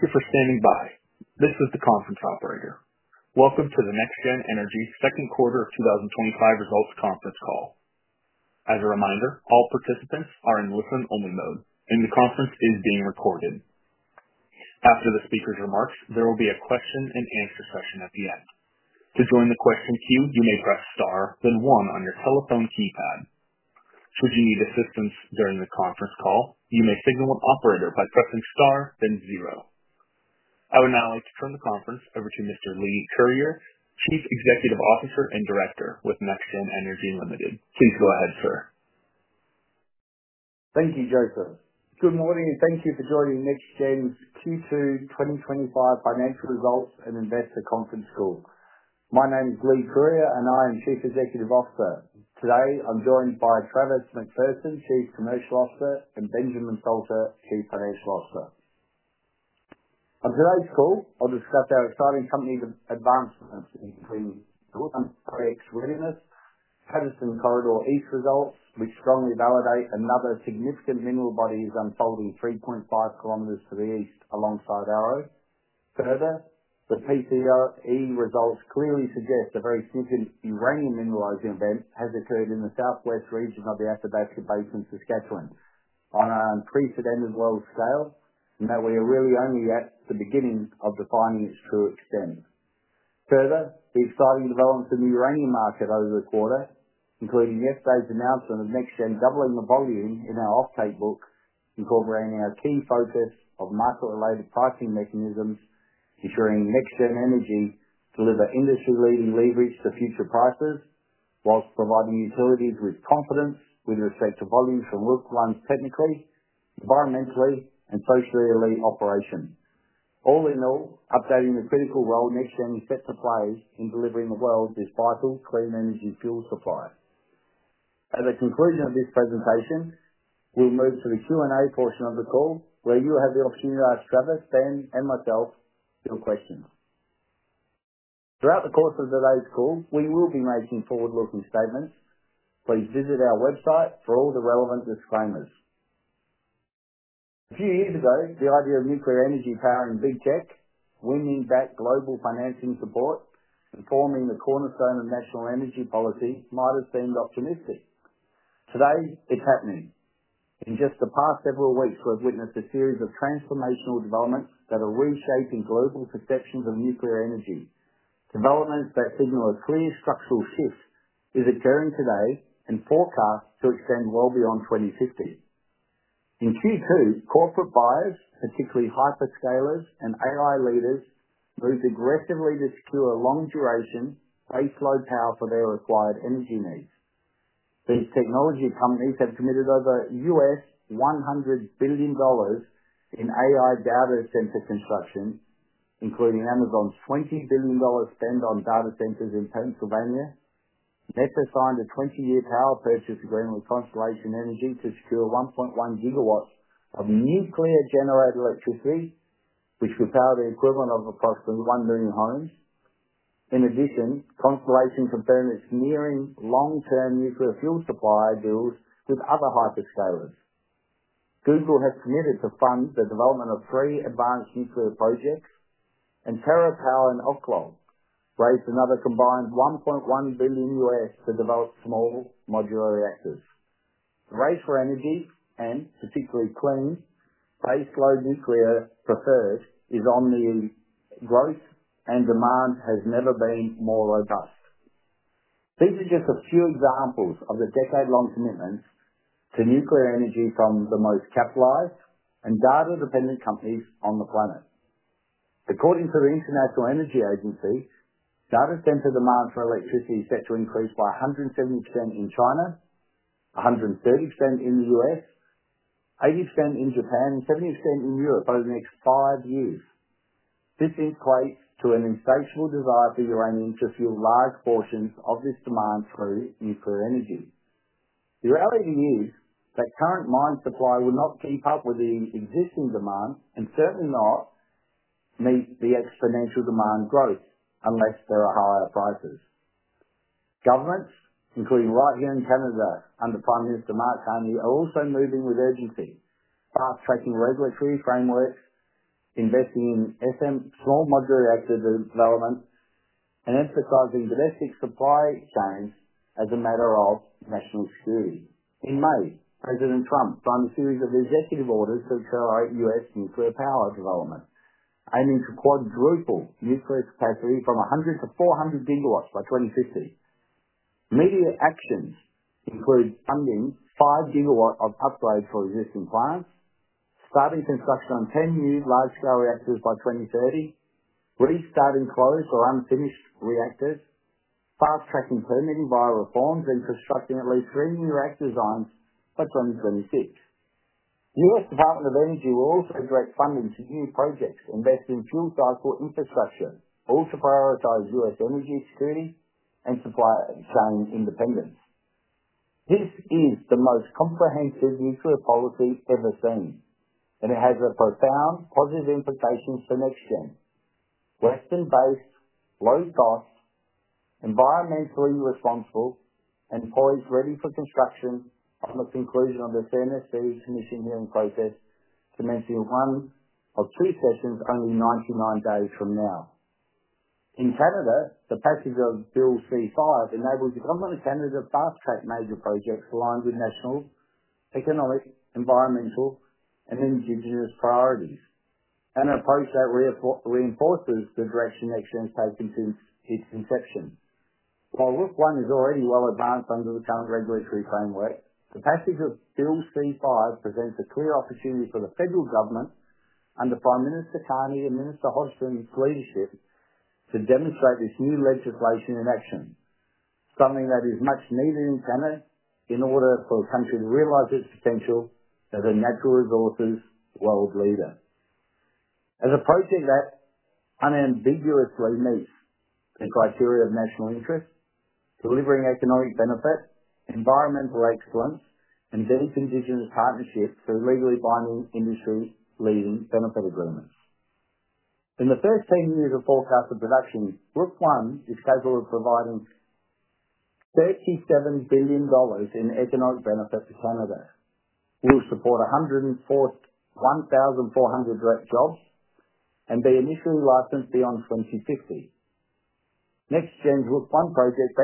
Thank you for standing by. This is the conference operator. Welcome to the NexGen Energy's Second Quarter of 2025 Results Conference Call. As a reminder, all participants are in listen-only mode, and the conference is being recorded. After the speaker's remarks, there will be a question-and-answer session at the end. To join the question queue, you may press star, then one on your telephone keypad. To view the systems during the conference call, you may signal an operator by pressing star, then zero. I would now like to turn the conference over to Mr. Leigh Curyer, Chief Executive Officer and Director with NexGen Energy Ltd. Please go ahead, sir. Thank you, Joseph. Good morning, and thank you for joining NexGen's Q2 2025 Financial Results and Investor Conference Call. My name is Leigh Curyer, and I am Chief Executive Officer. Today, I'm joined by Travis McPherson, Chief Commercial Officer, and Benjamin Salter, Chief Financial Officer. On today's call, I'll discuss our exciting company's advancements in Rook 1 Project Readiness, Patterson Corridor East results, which strongly validate another significant mineral body's unfolding 3.5 km to the east alongside Arrow. Further, the PCE results clearly suggest a very significant uranium mineralizing event has occurred in the southwest region of the Athabasca Basin, Saskatchewan. On an unprecedented world scale, now we are really only at the beginning of the findings to extend. Further, the exciting developments in the uranium market over the quarter, including yesterday's announcement of NexGen doubling the volume in our offtake book, incorporating our key focus of market-related pricing mechanisms, ensuring NexGen Energy delivers industry-leading leverage for future prices whilst providing utilities with confidence with respect to volumes from local ones technically, environmentally, and socially elite operations. All in all, updating the critical role NexGen has set for players in delivering the world this vital clean energy fuel supply. At the conclusion of this presentation, we'll move to the Q&A portion of the call, where you'll have the opportunity to ask Travis, Ben, and myself your questions. Throughout the course of today's call, we will be making forward-looking statements. Please visit our website for all the relevant disclaimers. A few years ago, the idea of nuclear energy power in BTEC, winning back global financing support, and forming the cornerstone of national energy policy might have seemed optimistic. Today, it's happening. In just the past several weeks, we've witnessed a series of transformational developments that are reshaping global perceptions of nuclear energy. Developments that signal a clear structural shift is occurring today and forecast to extend well beyond 2050. In Q2, corporate buyers, particularly hyperscalers and AI leaders, move aggressively to secure a long-duration, baseload power for their required energy needs. These technology companies have committed over $100 billion in AI data center construction, including Amazon's $20 billion spend on data centers in Pennsylvania. They've signed a 20-year power purchase agreement with Constellation Energy to secure 1.1 GW of nuclear-generated electricity, which would power the equivalent of approximately 1 million homes. In addition, Constellation compares its nearing long-term nuclear fuel supply bills with other hyperscalers. Google has committed to fund the development of three advanced nuclear projects, and TerraPower and Oklo raise another combined $1.1 billion to develop small modular reactors. The race for energy and, particularly, clean baseload nuclear prepared is on the growth, and demand has never been more robust. These are just a few examples of the decade-long commitments to nuclear energy from the most capitalized and data-dependent companies on the planet. According to the International Energy Agency, data center demand for electricity is set to increase by 170% in China, 130% in the U.S., 80% in Japan, and 70% in Europe over the next five years. This equates to an insatiable desire for uranium to fuel large portions of this demand through nuclear energy. The reality is that current mine supply will not keep up with the existing demand and certainly not meet the exponential demand growth unless there are higher prices. Governments, including right here in Canada under Prime Minister Mark Carney, are also moving with urgency, fast-tracking regulatory frameworks, investing in small modular reactor development, and emphasizing domestic supply chains as a matter of national security. In May, President Trump signed a series of executive orders to accelerate U.S. nuclear power development, aiming to quadruple nuclear capacity from 100 GW to 400 GW by 2050. Immediate actions include funding 5 GW of upgrades for existing plants, starting construction on 10 new large-scale reactors by 2030, restarting closed or unfinished reactors, fast-tracking permitting via reforms, and constructing at least three new reactor designs by 2026. The U.S. Department of Energy will also direct funding to new projects investing in fuel cycle infrastructure all to prioritize U.S. energy security and supply chain independence. This is the most comprehensive nuclear policy ever seen, and it has a profound positive implication for NexGen. Western-based, low-cost, environmentally responsible, and poised ready for construction at the conclusion of the CNSC commission hearing process commencing one of two quarters, only 99 days from now. In Canada, the passage of Bill C-5 enables the Government of Canada to fast-track major projects aligned with national economic, environmental, and Indigenous priorities and an approach that reinforces the direction NexGen has taken since its inception. While Rook I is already well advanced under the current regulatory framework, the passage of Bill C-5 presents a clear opportunity for the federal government under Prime Minister Carney and Minister Hodgson's leadership to demonstrate this new legislation in action, something that is much needed in Canada in order for the country to realize its potential as a natural resources world leader. As a process that unambiguously meets the criteria of national interest, delivering economic benefits, environmental excellence, and building regional partnerships through legally binding industry-leading benefit agreements. In the first 10 years of forecasted production, Rook I is scheduled to provide CAD 37 billion in economic benefit to Canada. It will support 1,400 direct jobs and be initially licensed beyond 2060. NexGen's Rook I project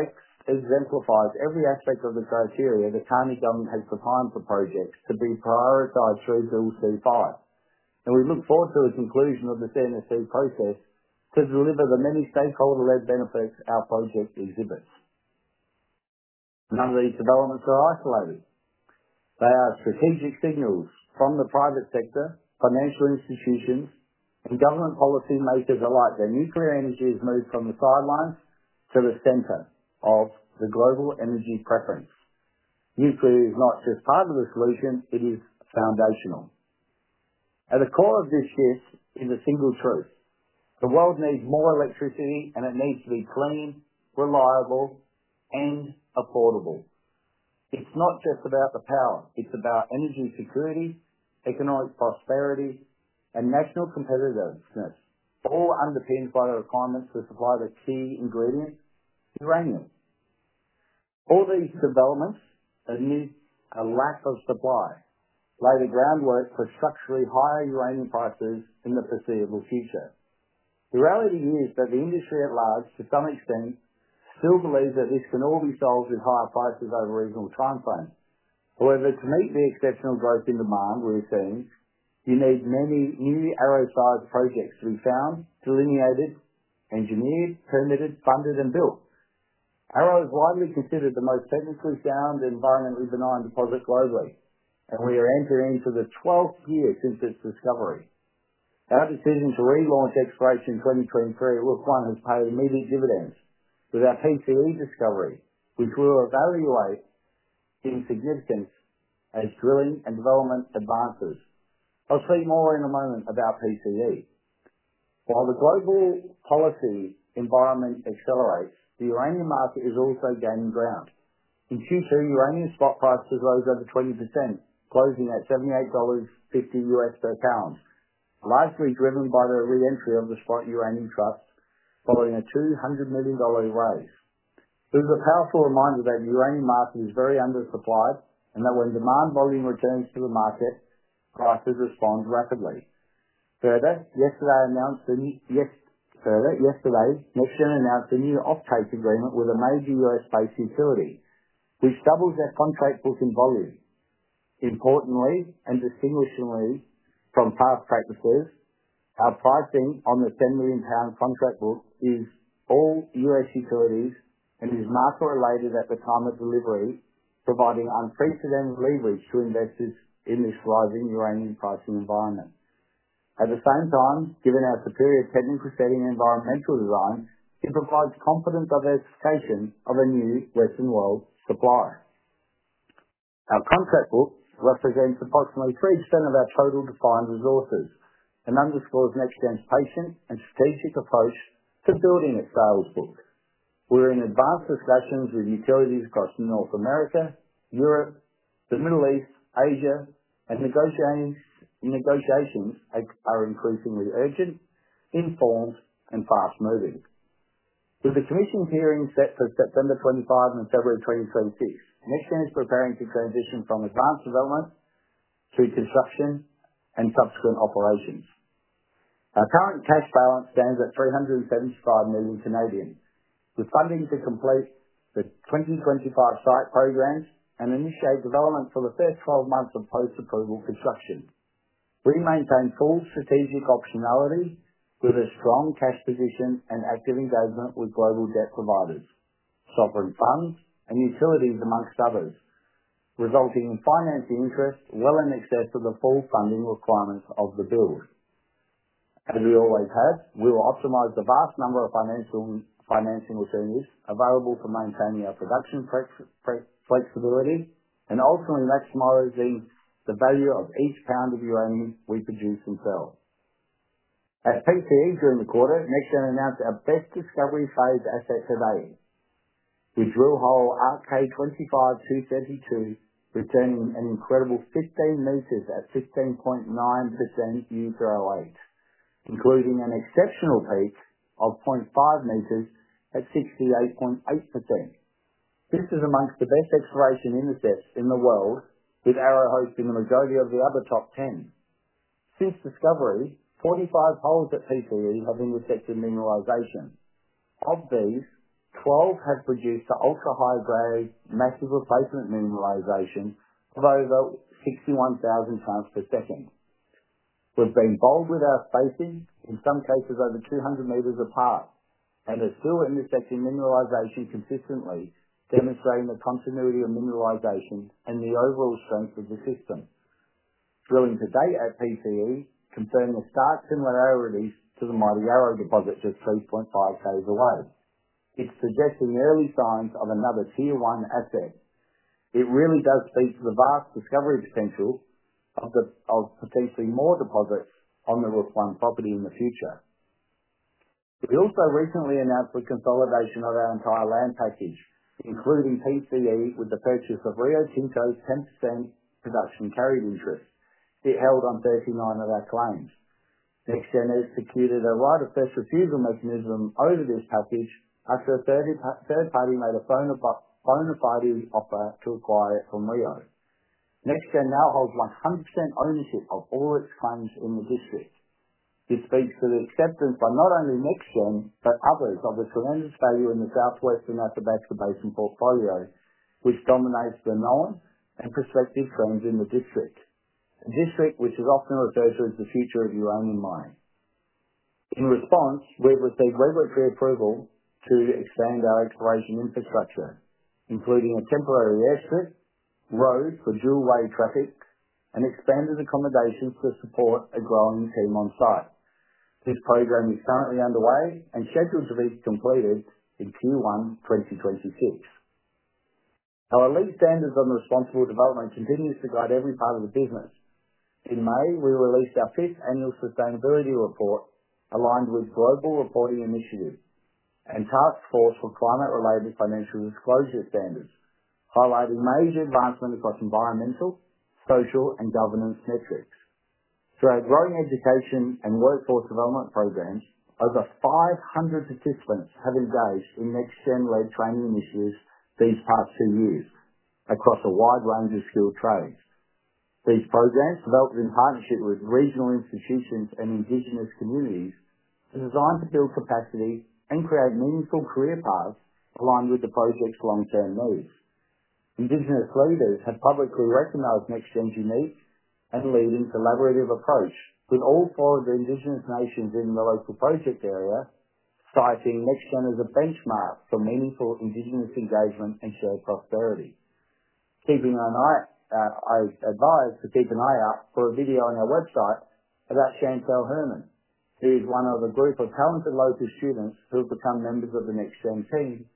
exemplifies every aspect of the criteria the current government has supplied for projects to be prioritized through Bill C-5. We look forward to the conclusion of the CNSC process to deliver the many stakeholder-led benefits our project exhibits. None of these developments are isolated. They are strategic signals from the private sector, financial institutions, and government policy makers alike that nuclear energy has moved from the sidelines to the center of the global energy preference. Nuclear is not just part of the solution; it is foundational. At the core of this shift is a single truth. The world needs more electricity, and it needs to be clean, reliable, and affordable. It's not just about the power; it's about energy security, economic prosperity, and national competitiveness, all underpinned by the requirements to supply the key ingredient, uranium. All these developments are new and lack of supply lay the groundwork for structurally higher uranium prices in the foreseeable future. The reality is that the industry at large, to some extent, still believes that this can all be solved with higher prices over a reasonable timeframe. However, to meet the exceptional growth in demand we're seeing, you need many new Arrow-type projects to be found, delineated, engineered, permitted, funded, and built. Arrow is widely considered the most technically sound and environmentally benign deposit globally, and we are entering into the 12th year since its discovery. Our decision to relaunch exploration in 2023 at Rook I has paid immediate dividends with our PCE discovery, which we'll evaluate in significance as drilling and development advances. I'll say more in a moment about PCE. While the global policy environment accelerates, the uranium market is also gaining ground. In Q2, uranium spot prices rose over 20%, closing at $78.50 per pound, largely driven by the re-entry of the spot uranium trust following a 200 million dollar raise. It is a powerful reminder that the uranium market is very undersupplied and that when demand volume returns to the market, prices respond rapidly. Further, yesterday announced the new offtake agreement with a major U.S.-based utility, which doubles their contract book in volume. Importantly, and distinguishably from past practices, our pricing on the CAD 10 million contract book is all U.S. utilities and is market-related at the time of delivery, providing unprecedented leverage to investors in this rising uranium pricing environment. At the same time, given our superior technical setting and environmental designs, it provides competent diversification of a new Western world supply. Our contract book represents approximately 3% of our total defined resources and underscores NexGen's patient and strategic approach to building a scaled book. We're in advanced discussions with utilities across North America, Europe, the Middle East, Asia, and negotiations are increasingly urgent, informed, and fast-moving. With the commission's hearing set for September 2025 and February 2026, NexGen is preparing to transition from advanced development to construction and subsequent operations. Our current cash balance stands at 375 million. We're funding to complete the 2025 site programs and initiate development for the first 12 months of post-approval construction. We maintain full strategic optionality with a strong cash position and active engagement with global debt providers, sovereign funds, and utilities, amongst others, resulting in financing interest well in excess of the full funding requirements of the bills. As we always have, we will optimize the vast number of financial financing alternatives available for maintaining our production flexibility and ultimately maximizing the value of each pound of uranium we produce and sell. At PCE during the quarter, NexGen announced our best discovery phase asset survey, which will hold RK25-232, returning an incredible 15 m at 15.9% U3O8, including an exceptional peak of 0.5 m at 68.8%. This is amongst the best exploration intercepts in the world, with Arrow hosting the majority of the other top 10. Since discovery, 45 holes at PCE have intercepted mineralization. Of these, 12 have produced ultra-high-grade, massive replacement mineralization of over 61,000 counts per second. We've been bold with our spacing, in some cases over 200 m apart, and it's still intercepting mineralization consistently, demonstrating the continuity of mineralization and the overall strength of the system. Drilling today at PCE confirmed the stark similarities to the Mighty Arrow deposits just 3.5 km away. It's suggesting early signs of another Tier 1 asset. It really does speak to the vast discovery potential of producing more deposits on the Rook I property in the future. We also recently announced the consolidation of our entire land package, including PCE, with the purchase of Rio Tinto's 10% production carried interest. It held on 39 of our claims. NexGen has secured a right of first refusal mechanism over this package after a third party made a bona fide offer to acquire it from Rio Tinto. NexGen now holds 100% ownership of all its assets in the district. It speaks to the acceptance by not only NexGen, but others of the tremendous value in the southwestern Athabasca Basin portfolio, which dominates the known and prospective assets in the district, a district which is often referred to as the future of uranium mining. In response, we've received regulatory approval to expand our exploration infrastructure, including a temporary airstrip, road for dual-way traffic, and expanded accommodations to support a growing team on site. This program is currently underway and scheduled to be completed in Q1 2026. Our lead standards on responsible development continue to guide every part of the business. In May, we released our fifth annual sustainability report aligned with Global Reporting Initiatives and Task Force for Climate-related Financial Disclosure standards, highlighting major advancements across environmental, social, and governance metrics. Through our growing education and workforce development programs, over 500 participants have engaged in NexGen-led training initiatives these past two years across a wide range of skilled trades. These programs developed in partnership with regional institutions and Indigenous communities are designed to build capacity and create meaningful career paths aligned with the project's long-term moves. Indigenous leaders have publicly recognized NexGen's unique and leading collaborative approach, with all four of the Indigenous nations in the local project area citing NexGen as a benchmark for meaningful Indigenous engagement and shared prosperity. I advise to keep an eye out for a video on our website about Shantel Herman, who is one of a group of talented local students who have become members of the NexGen team,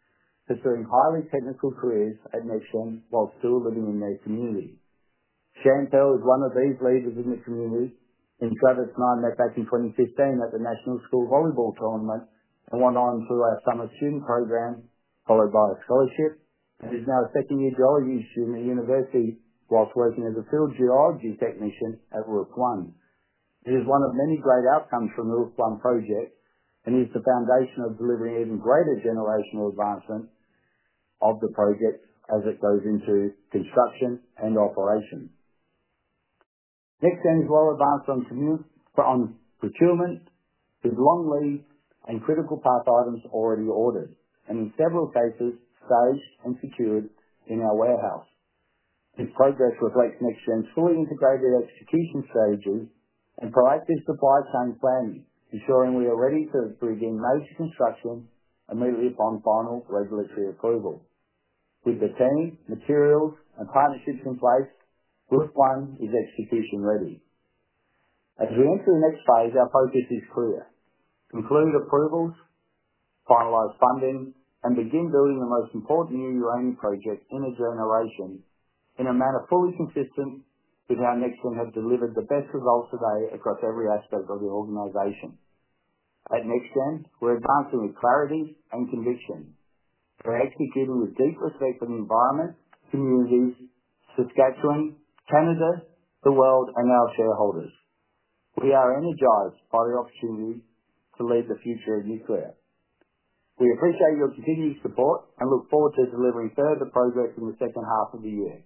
pursuing highly technical careers at NexGen while still living in their community. Chantelle is one of these leaders in the community and is glad it's not met back in 2015 at the National School Volleyball Tournament and went on through our summer student program, followed by a scholarship, and is now a second-year geology student at university whilst working as a field geology technician at Rook I. It is one of many great outcomes from the Rook I project and is the foundation of delivering even greater generational advancement of the project as it goes into construction and operation. NexGen's well-advanced on procurement is long lead and critical path items already ordered and in several cases staged and secured in our warehouse. This progress reflects NexGen's fully integrated execution stages and proactive supply chain planning, ensuring we are ready to begin major construction immediately upon final regulatory approval. With the team, materials, and partnerships in place, Rook I is execution ready. As we enter the next phase, our focus is clear: concluding the approvals, finalize funding, and begin building the most important new uranium project in a generation in a manner fully consistent with how NexGen has delivered the best results today across every aspect of the organization. At NexGen, we're advancing with clarity and conviction. We're executing with deep respect for the environment, communities, Saskatchewan, Canada, the world, and our shareholders. We are energized by the opportunity to lead the future of nuclear. We appreciate your continued support and look forward to delivering further progress in the second half of the year.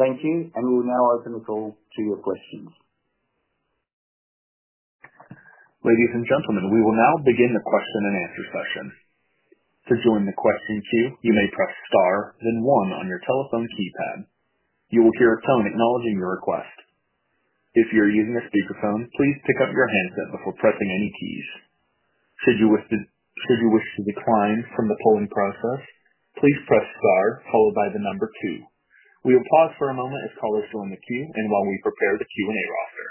Thank you, and we will now open the call to your questions. Ladies and gentlemen, we will now begin the question and answer session. To join the question queue, you may press star then one on your telephone keypad. You will hear a tone acknowledging your request. If you're using a speaker phone, please pick up your headset before tapping any keys. Should you wish to decline from the polling process, please press star followed by the number two. We will pause for a moment as callers join the queue and while we prepare the Q&A roster.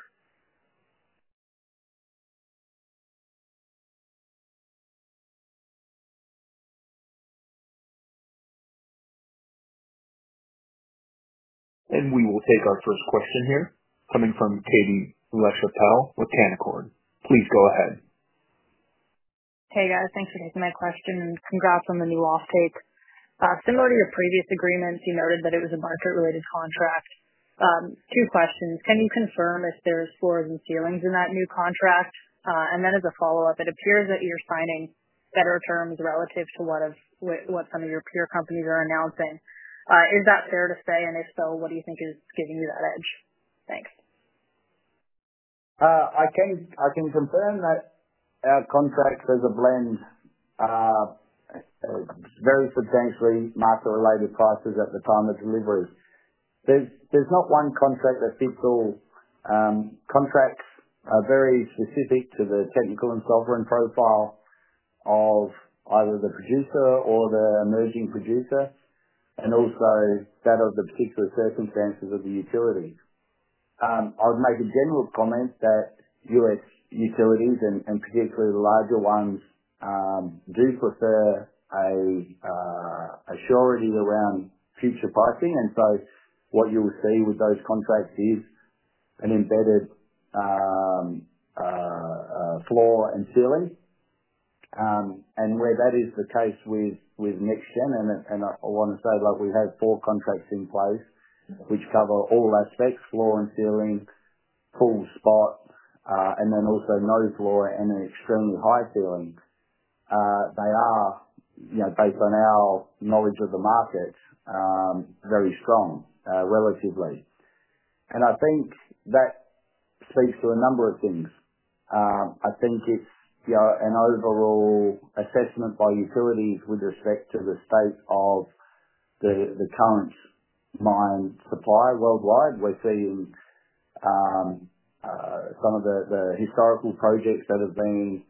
We will take our first question here, coming from Katie Lachapelle with Canaccord. Please go ahead. Hey, guys. Thanks for taking that question. Great from a new offtake. Similar to your previous agreements, you noted that it was a market-related contract. Two questions. Can you confirm if there's floors and ceilings in that new contract? As a follow-up, it appears that you're signing better firms relative to what some of your peer companies are announcing. Is that fair to say? If so, what do you think is giving you that edge? Thanks. I can confirm that our contract is a blend of very substantially market-related prices at the time of delivery. There's not one contract that's typical. Contracts are very specific to the technical and sovereign profile of either the producer or the emerging producer and also that of the particular circumstances of the utility. I would make a general comment that U.S. utilities, and particularly the larger ones, do prefer a surety around future pricing. What you'll see with those contracts is an embedded floor and ceiling. Where that is the case with NexGen, I want to say that we have four contracts in place which cover all aspects: floor and ceiling, pool spot, and then also no floor and an extremely high ceiling. They are, based on our knowledge of the market, very strong, relatively. I think that speaks to a number of things. If you're an overall assessment by utilities with respect to the state of the current mine supply worldwide, we're seeing some of the historical projects that have been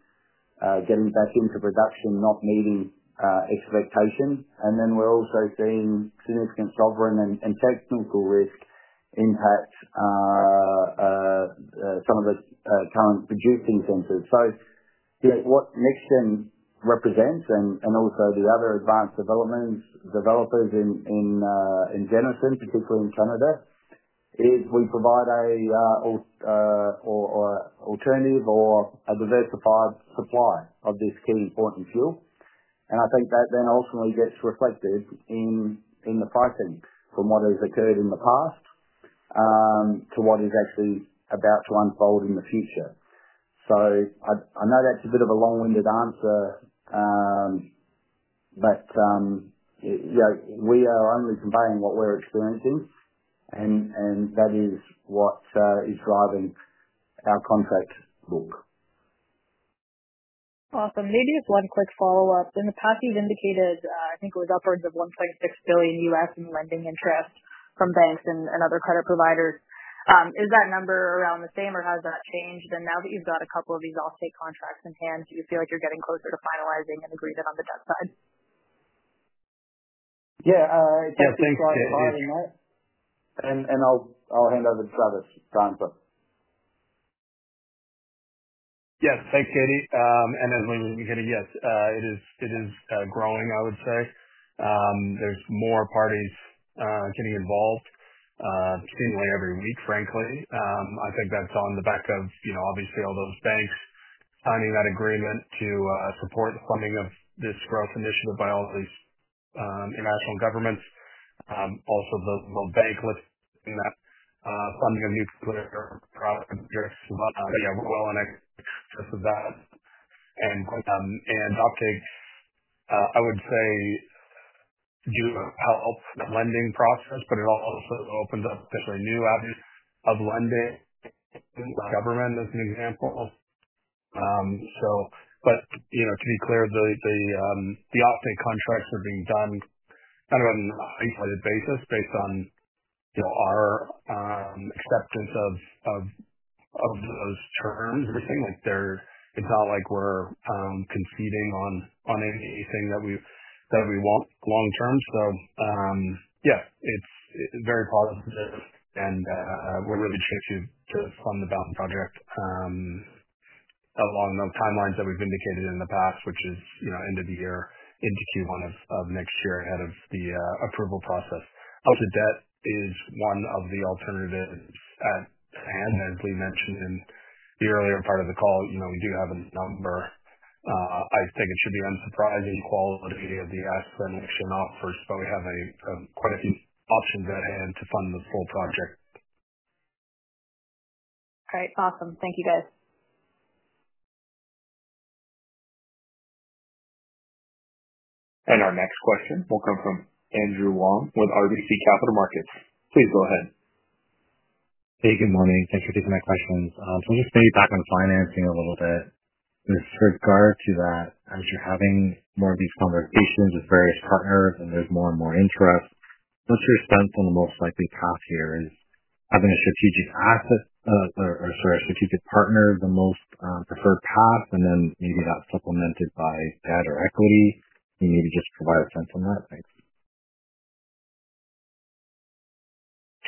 getting back into production not meeting expectation. We're also seeing significant sovereign and technical risk impact some of the current producing centers. What NexGen represents, and also the other advanced developers in Denison, particularly in Canada, is we provide an alternative or a diversified supply of this key important fuel. I think that ultimately gets reflected in the pricings from what has occurred in the past to what is actually about to unfold in the future. I know that's a bit of a long-winded answer, but we are only conveying what we're experiencing, and that is what is driving our contract book. Awesome. One quick follow-up. In the past, you've indicated, I think it was upwards of $1.6 billion in lending interest from banks and other credit providers. Is that number around the same, or has that changed? Now that you've got a couple of these offtake contracts in hand, do you feel like you're getting closer to finalizing an agreement on the debt side? Yeah, it's been quite a while. I'll hand over to Travis, to answer. Yes. Hey, Katie. Yes, it is growing, I would say. There's more parties getting involved, seemingly every week, frankly. I think that's on the back of, you know, obviously, all those banks signing that agreement to support the funding of this growth initiative by all of these international governments. Also, the bank lifts in that funding of nuclear throughout the computer, yeah, well on X just for that. Uptake, I would say, helps the lending process, but it also opens up different new avenues of lending in government as an example. To be clear, the offtake contracts are being done kind of on an isolated basis based on, you know, our acceptance of those terms of the payment. It's not like we're conceding on anything that we want long-term. It's very positive, and we're really chasing to fund the balance project along the timelines that we've indicated in the past, which is, you know, end of the year, into Q1 of next year ahead of the approval process. Out-of-debt is one of the alternatives, and as we mentioned in the earlier part of the call, we do have a number, I think it should be unsurprising quality of the asset mixture now, but we have quite a few options at hand to fund this whole project. All right. Awesome. Thank you, guys. Our next question will come from Andrew Wong with RBC Capital Markets. Please go ahead. Hey, good morning. Thanks for taking my questions. Let me stay back on financing a little bit. With regard to that, as you're having more of these founders' basements with various partners and there's more and more interest, what's your stance on the most likely path here? Is having a strategic asset or, sorry, a strategic partner the most preferred path, and then maybe that's supplemented by better equity? Can you maybe just provide a sense on that? Thanks.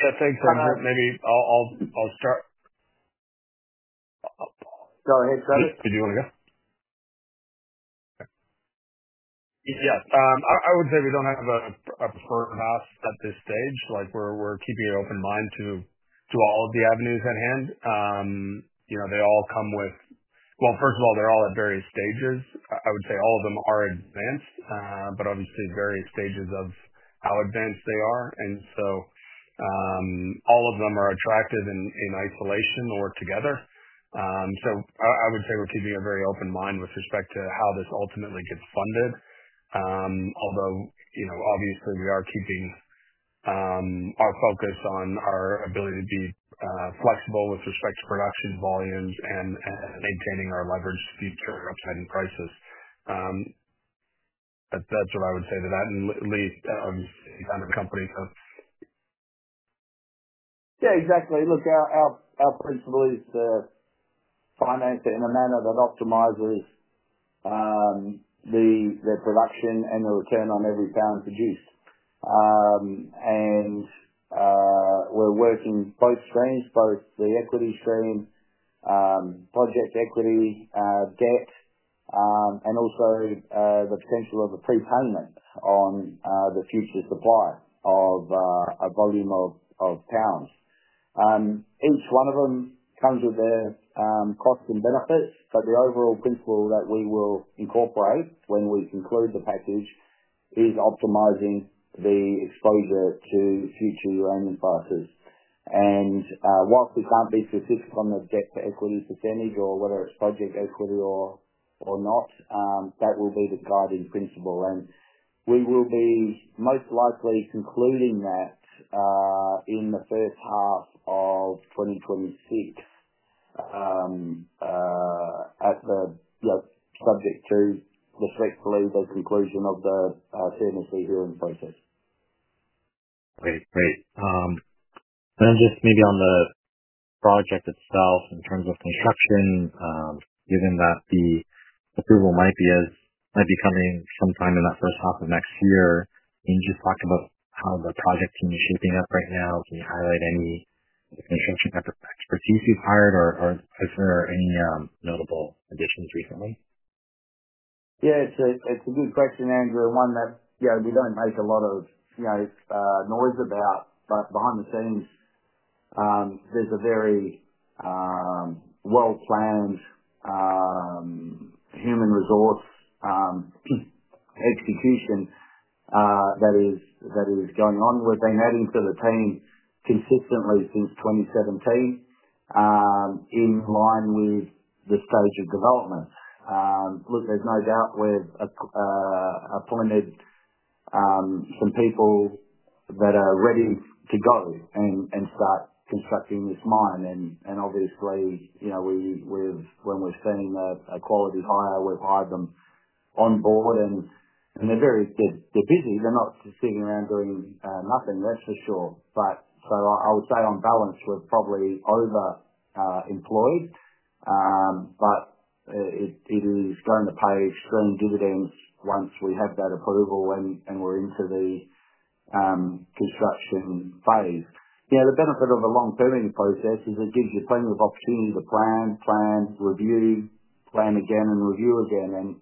I think maybe I'll start. Go ahead, Travis. Did you want to go? Yes. I would say we don't have a preferred path at this stage. We're keeping an open mind to all of the avenues at hand. They all come with, well, first of all, they're all at various stages. I would say all of them are advanced, but I would say various stages of how advanced they are. All of them are attractive in isolation or together. I would say we're keeping a very open mind with respect to how this ultimately gets funded. Although, you know, obviously, we are keeping our focus on our ability to be flexible with respect to production volumes and maintaining our leverage feature or upsetting prices. That's what I would say to that. At least, I'm excited. Company. Yeah, exactly. Look, our principle is to finance it in a manner that optimizes the production and the return on every pound produced. We're working both streams, both the equity stream, project equity, debt, and also the potential of the prepayment on the future supply of a volume of pounds. Each one of them comes with their costs and benefits, but the overall principle that we will incorporate when we conclude the package is optimizing the exposure to future uranium prices. Whilst we can't be specific on the debt to equity percentage or whether it's project equity or not, that will be the guiding principle. We will be most likely concluding that in the first half of 2026, subject to the conclusion of the CNSC hearing process. Great. I guess maybe on the project itself in terms of construction, given that the approval might be coming sometime in that first half of next year, can you just about how the project team is shaping up right now. Can you highlight any successful expertise you've hired, or is there any notable additions recently? Yeah, it's a good question, Andrew. One that we don't make a lot of noise about, but behind the scenes, there's a very well-planned human resource execution that is going on. We've been adding to the team consistently since 2017, in line with the stage of development. Look, there's no doubt we've appointed some people that are ready to go and start constructing this mine. Obviously, when we've seen a quality hire, we've hired them on board, and they're very busy. They're not just sitting around doing nothing, that's for sure. I would say on balance, we're probably over employed, but it is going to pay strong dividends once we have that approval and we're into the construction phase. The benefit of a long-term process is it gives you plenty of opportunity to plan, review, plan again, and review again.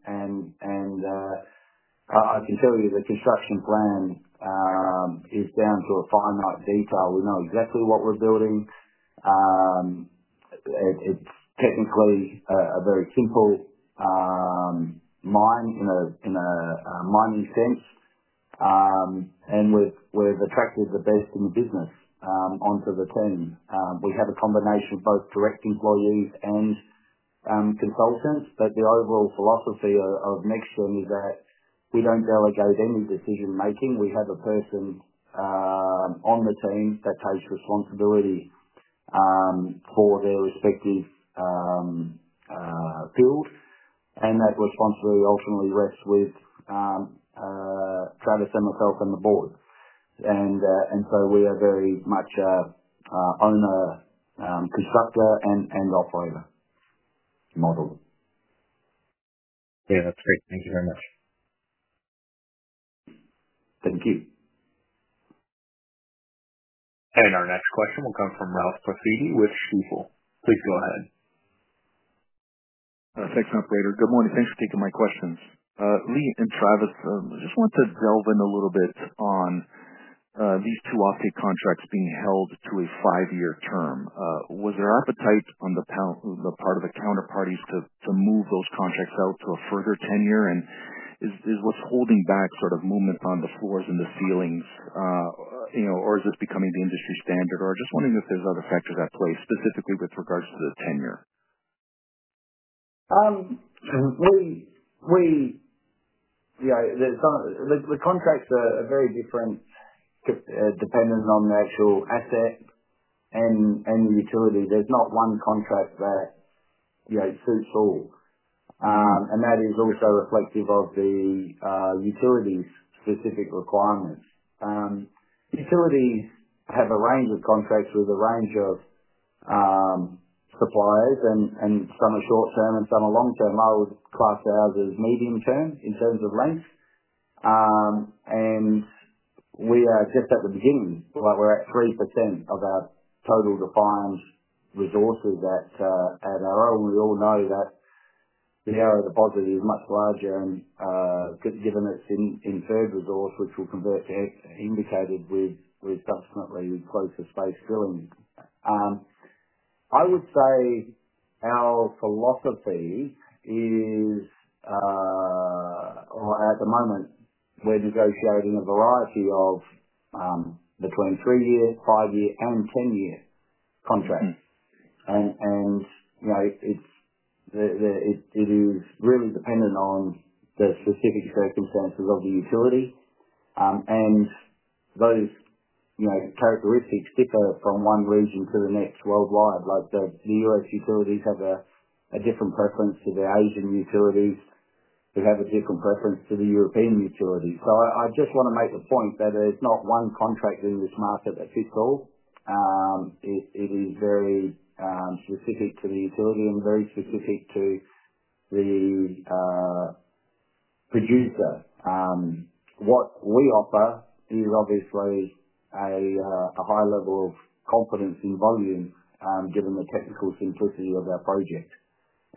I can tell you the construction plan is down to a finite detail. We know exactly what we're building. It's technically a very simple mine in a mining sense, and we've attracted the best in business onto the team. We have a combination of both direct employees and consultants, but the overall philosophy of NexGen is that we don't delegate any decision-making. We have a person on the team that takes responsibility for their respective fields. That responsibility ultimately rests with Travis and myself on the Board. We are very much owner, constructor and offloader model. Yeah, that's great. Thank you very much. Thank you. Our next question will come from Ralph Profiti with Stifel. Please go ahead. Thanks, operator. Good morning. Thanks for taking my questions. Leigh and Travis, I just want to delve in a little bit on these two offtake contracts being held to a five-year term. Was there appetite on the part of the counterparty to move those contracts out to a further tenure? Is what's holding back sort of movement on the floors and the ceilings, you know, or is this becoming the industry standard? I'm just wondering if there's other factors at play, specifically with regards to the tenure. Yeah, the contracts are very different, depending on the actual asset and the utility. There's not one contract that suits all, and that is also reflective of the utility's specific requirements. Utilities have a range of contracts with a range of suppliers, and some are short-term and some are long-term. I would class ours as medium-term in terms of length. We are just at the beginning. We're at 3% of our total defined resources at Arrow. We all know that the Arrow deposit is much larger, and given its inferred resource, which will convert to indicated with definitely closer space drilling. I would say our philosophy is, at the moment, we're negotiating a variety of three-year, five-year, and 10-year contracts. It is really dependent on the specific circumstances of the utility, and those characteristics differ from one region to the next worldwide. The U.S. utilities have a different preference to the Asian utilities. They have a different preference to the European utilities. I just want to make the point that there's not one contract in this market that fits all. It is very specific to the utility and very specific to the producer. What we offer is obviously a high level of competence in volume, given the technical simplicity of our project,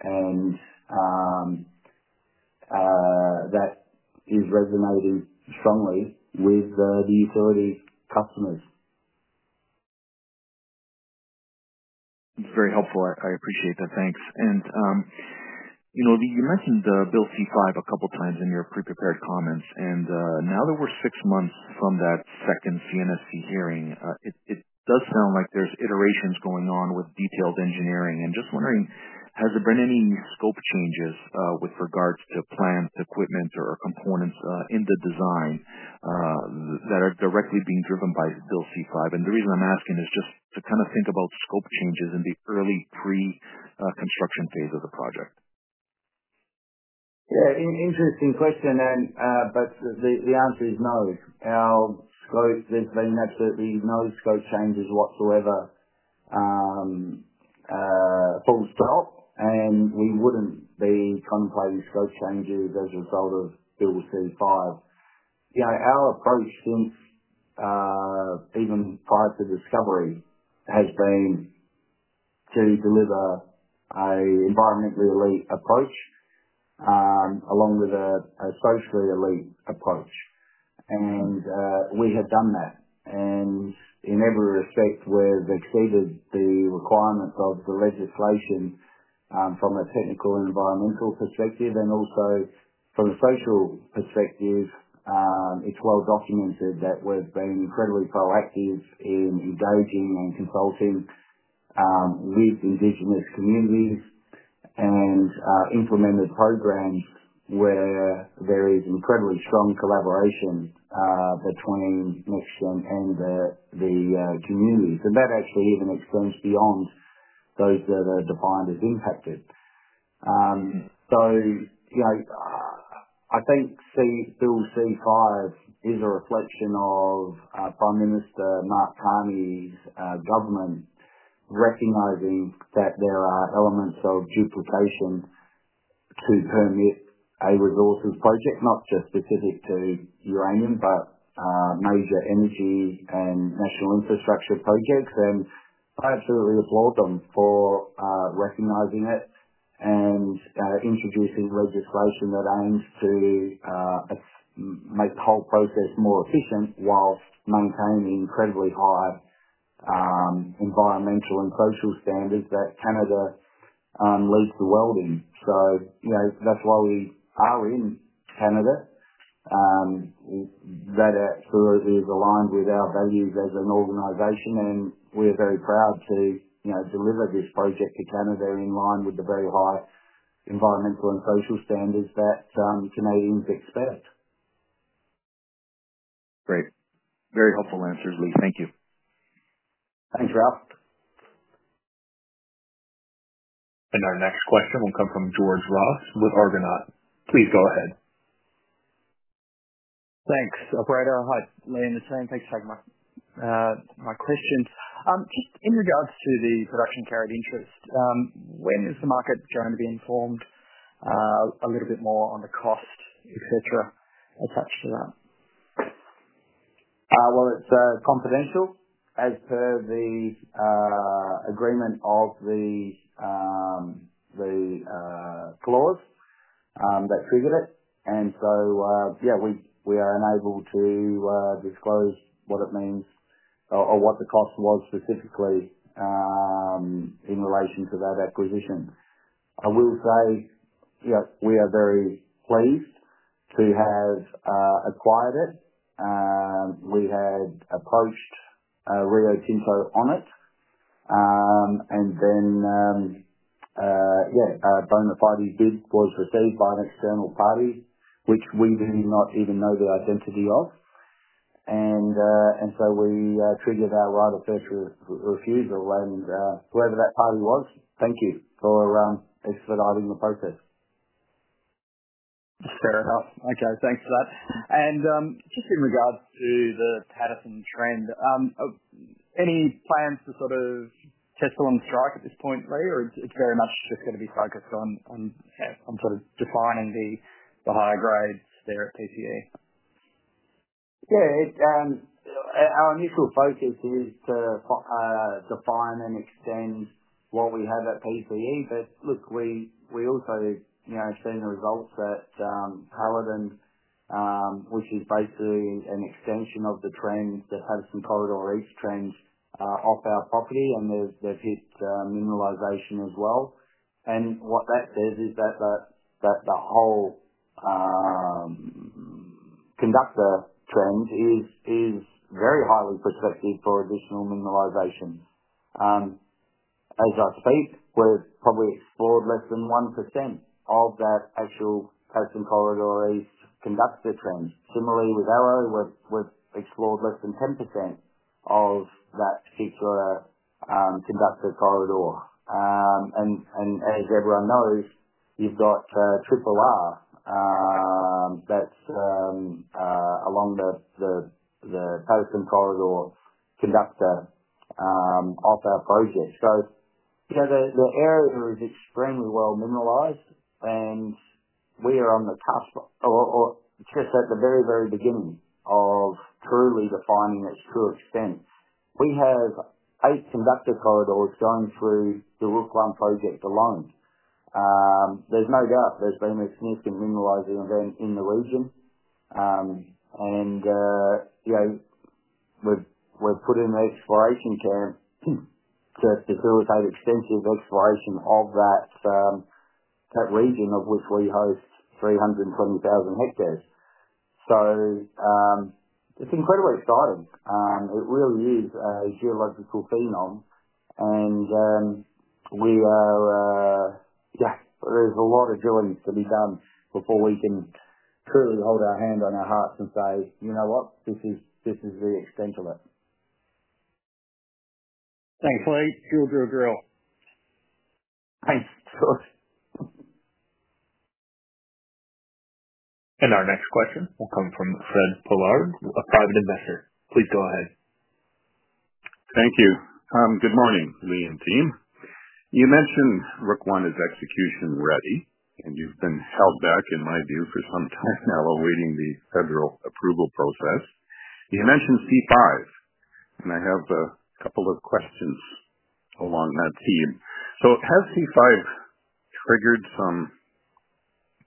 and that is resonating strongly with the utility's customers. It's very helpful. I appreciate that. Thanks. You mentioned the Bill C-5 a couple of times in your pre-prepared comments. Now that we're six months from that second CNSC hearing, it does sound like there's iterations going on with detailed engineering. I'm just wondering, has there been any scope changes with regards to planned equipment or components in the design that are directly being driven by the Bill C-5? The reason I'm asking is just to kind of think about scope changes in the early pre-construction phase of the project. Yeah, interesting question. The answer is no. Our growth has been absolutely no scope changes whatsoever, full stop. We wouldn't be contemplating scope changes as a result of Bill C-5. Our approach, since even prior to discovery, has been to deliver an environmentally elite approach, along with a socially elite approach. We have done that. In every respect, we've exceeded the requirements of the legislation, from a technical and environmental perspective and also from a social perspective. It's well documented that we've been incredibly proactive in engaging and consulting with indigenous communities and implemented programs where there is incredibly strong collaboration between NexGen and the communities. That actually even extends beyond those that are defined as impacted. I think Bill C-5 is a reflection of Prime Minister Mark Carney's government recognizing that there are elements of duplication to permit a resources project, not just specific to uranium, but major energy and national infrastructure projects. I absolutely applaud them for recognizing it and introducing legislation that aims to make the whole process more efficient while maintaining incredibly high environmental and social standards that Canada leads the world in. That's why we are in Canada. That absolutely is aligned with our values as an organization, and we're very proud to deliver this project to Canada in line with the very high environmental and social standards that Canadians expect. Great. Very helpful answers, Leigh. Thank you. Thanks, Ralph. Our next question will come from George Ross with Argonaut. Please go ahead. Thanks, operator. Hi, Leigh and the team. Thanks for having me. My question is just in regards to the production carried interest. When is the market going to be informed a little bit more on the cost, etc., attached to that? It's confidential as per the agreement of the clause that figured it. We are unable to disclose what it means or what the cost was specifically in relation to that acquisition. I will say, we are very pleased to have acquired it. We had approached Rio Tinto on it. A bona fide bid was received by an external party, which we do not even know the identity of, and we triggered our right of first refusal. Whoever that party was, thank you for expediting the process. Just to clarify. Okay. Thanks for that. In regards to the Patterson trend, any plans to sort of test along the strike at this point, Leigh, or is it very much just going to be focused on sort of defining the higher grades there at PCE? Yeah. Our initial focus is to define and extend what we have at PCE. We have also seen the results at Halliday, which is basically an extension of the trend that had some Patterson Corridor East trends off our property, and they've hit mineralization as well. What that says is that the whole conductor trend is very highly prospective for additional mineralization. As I speak, we've probably explored less than 1% of that actual Patterson Corridor East conductor trend. Similarly, with Arrow, we've explored less than 10% of that particular conductor corridor. As everyone knows, you've got RRR that's along the Patterson Corridor conductor of our project. The area is extremely well mineralized, and we are on the cusp or just at the very, very beginning of truly defining its true extent. We have eight conductor corridors going through the Rook I project alone. There's no doubt there's been a significant mineralizing event in the region. We're putting the exploration camp to facilitate extensive exploration of that region of which we host 320,000 hectares. It's incredibly exciting. It really is a geological phenom. There's a lot of agility to be done before we can truly hold our hand on our hearts and say, "You know what? This is the extent of it. Thanks, Leigh. You'll do a drill. Our next question will come from Fred Palo, a private investor. Please go ahead. Thank you. Good morning, Leigh and team. You mentioned Rook I is execution ready, and you've been held back, in my view, for some time now awaiting the federal approval process. You mentioned C-5, and I have a couple of questions along that theme. Has C-5 triggered some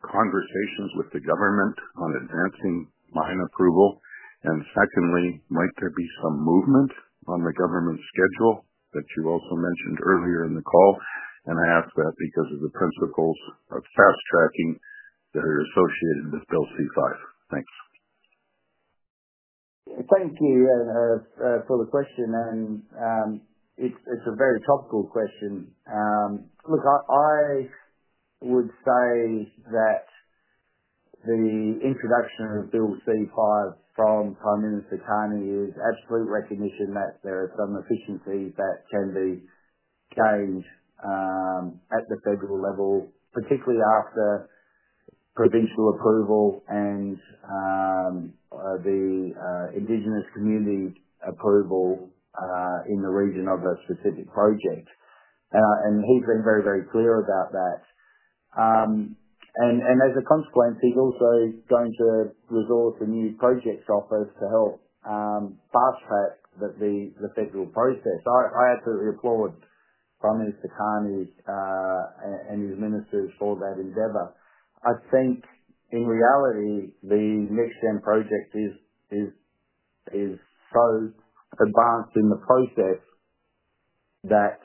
conversations with the government on advancing mine approval? Might there be some movement on the government schedule that you also mentioned earlier in the call? I ask that because of the principles of fast tracking that are associated with Bill C-5. Thanks. Thank you for the question. It's a very topical question. I would say that the introduction of Bill C-5 from Prime Minister Carney is absolute recognition that there are some efficiencies that can be gained at the federal level, particularly after provincial approval and indigenous community approval in the region of a specific project. He's been very, very clear about that, and as a consequence, he's also going to resort to new project shoppers to help fast-track the federal process. I absolutely applaud Prime Minister Carney and his ministers for that endeavor. I think, in reality, the NexGen project is so advanced in the process that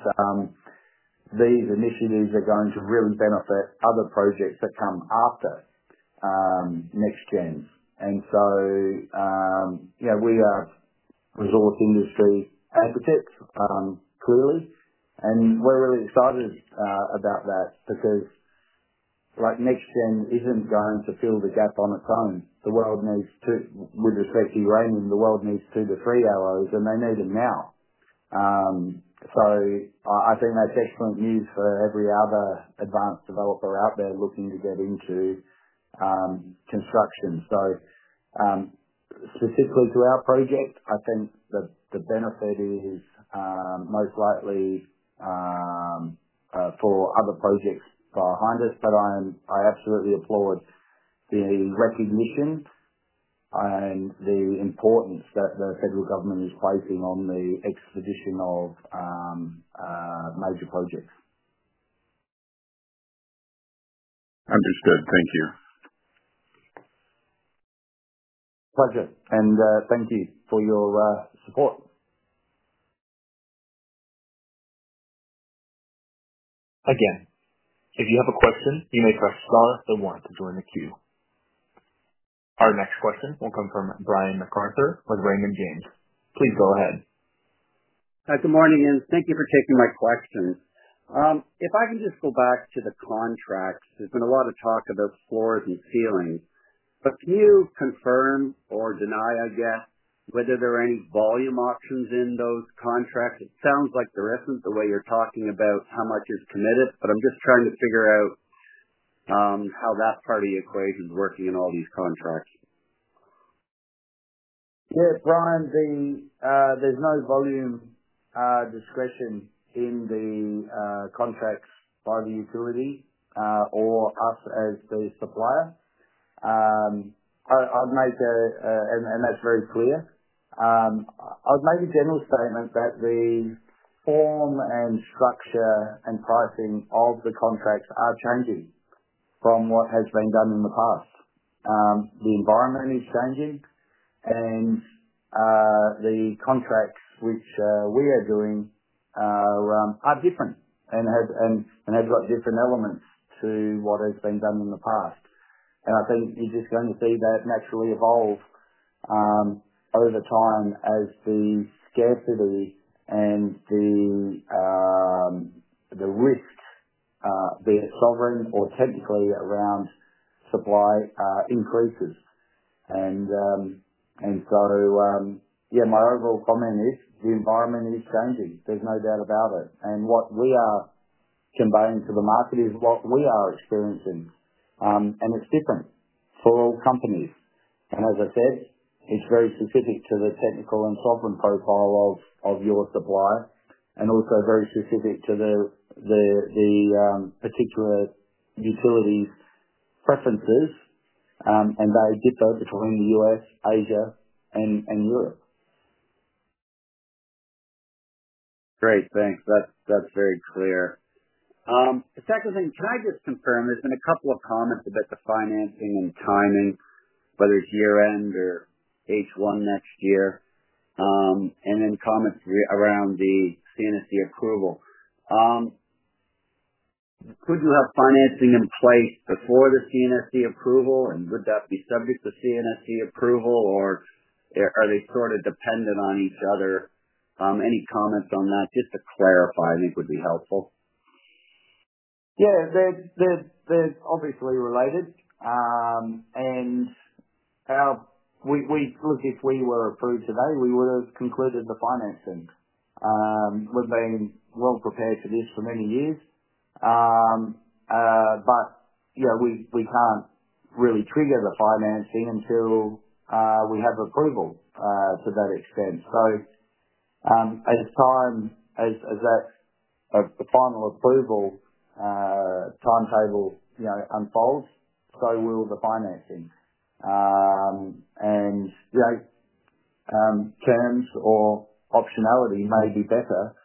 these initiatives are going to really benefit other projects that come after NexGen. We are resource industry advocates, clearly, and we're really excited about that because NexGen isn't going to fill the gap on its own. The world needs, with the tricky uranium, the world needs two to three Arrows, and they need it now. I think that's excellent news for every other advanced developer out there looking to get into construction. Particularly to our project, I think the benefit is most likely for other projects behind us. I absolutely applaud the recognition and the importance that the federal government is placing on the exposition of major projects. Understood. Thank you. Pleasure, and thank you for your support. Again, if you have a question, you may press star then one to join the queue. Our next question will come from Brian MacArthur with Raymond James. Please go ahead. Hi, good morning, and thank you for taking my questions. If I can just go back to the contracts, there's been a lot of talk about floors and ceilings. Can you confirm or deny, I guess, whether there are any volume options in those contracts? It sounds like there isn't the way you're talking about how much is committed, but I'm just trying to figure out how that part equates with working in all these contracts. Yeah, Brian, there's no volume discussion in the contracts by the utility or us as the supplier. That's very clear. I'd make a general statement that the form and structure and pricing of the contracts are changing from what has been done in the past. The environment is changing, and the contracts which we are doing are different and have got different elements to what has been done in the past. I think you're just going to see that naturally evolve over time as the scarcity and the risks, be it sovereign or technically around supply, increases. My overall comment is the environment is changing. There's no doubt about it. What we are conveying to the market is what we are experiencing, and it's different for all companies. As I said, it's very specific to the technical and sovereign profile of your supplier and also very specific to the particular utility's preferences, and they differ between the U.S., Asia, and Europe. Great. Thanks. That's very clear. The second thing, can I just confirm, there's been a couple of comments about the financing and timing, whether it's year-end or H1 next year, and then comments around the CNSC approval. Could you have financing in place before the CNSC approval, and would that be subject to CNSC approval, or are they sort of dependent on each other? Any comments on that, just to clarify, I think would be helpful. Yeah, they're obviously related. If we were approved today, we would have concluded the financing. We've been well prepared for this for many years, but we can't really trigger the financing until we have approval to that extent. As the final approval timetable unfolds, so will the financing. Terms or optionality may be better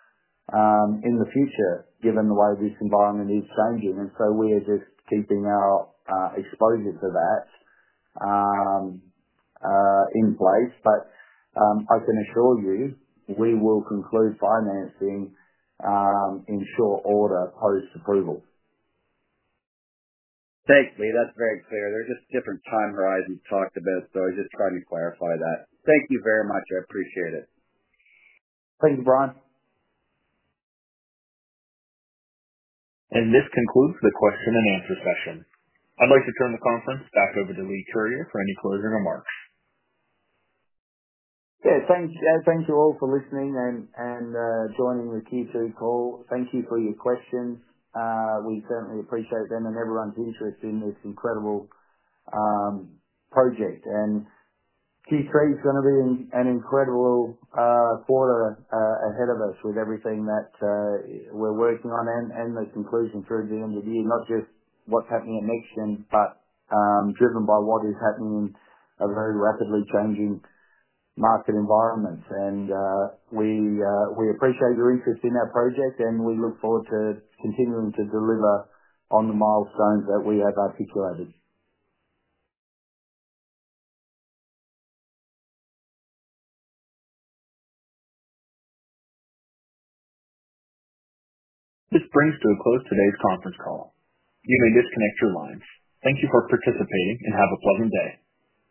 in the future given the way this environment is changing. We are just keeping our exposure to that in place. I can assure you we will conclude financing in short order post-approval. Thanks, Leigh. That's very clear. There's just a different time horizon to talk about, so I was just trying to clarify that. Thank you very much. I appreciate it. Thank you, Brian. This concludes the question and answer session. I'd like to turn the conference back over to Leigh Curyer for any closing remarks. Yeah, thanks. Thank you all for listening and joining the Q2 call. Thank you for your questions. We certainly appreciate them and everyone's interest in this incredible project. Q3 is going to be an incredible quarter ahead of us with everything that we're working on and the conclusion towards the end of the year, not just what's happening at NexGen, but driven by what is happening in a very rapidly changing market environment. We appreciate your interest in our project, and we look forward to continuing to deliver on the milestones that we have articulated. This brings to a close today's conference call. You may disconnect your lines. Thank you for participating and have a pleasant day.